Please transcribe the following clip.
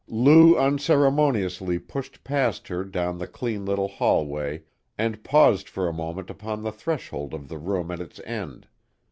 Lou unceremoniously pushed past her down the clean little hallway and paused for a moment upon the threshold of the room at its end.